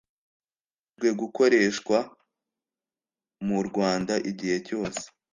bibujijwe gukoreshwa mu rwanda igihe cyose